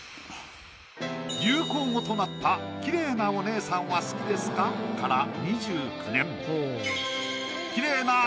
流行語となった「きれいなおねえさんは、好きですか。」から２９年。